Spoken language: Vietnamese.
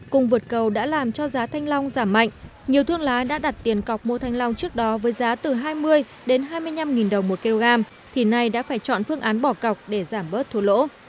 cung vượt cầu đã làm cho giá thanh long giảm mạnh nhiều thương lái đã đặt tiền cọc mua thanh long trước đó với giá từ hai mươi đến hai mươi năm đồng một kg thì nay đã phải chọn phương án bỏ cọc để giảm bớt thua lỗ